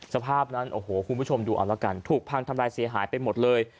สภาพนั้นโอ้โหคุณผู้ชมดูเอาละกันถูกพังทำลายเสียหายไปหมดเลย